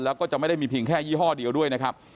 แล้วก็จะไม่ได้มีเพียงแค่ยี่ห้อเดียวด้วยนะครับ